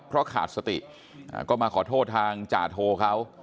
เพราะขาดสติก็มาขอโทษทางจ่าโทเขา